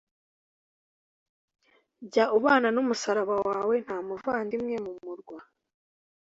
jya ubana n'umusaraba wawe nta muvandimwe mu murwa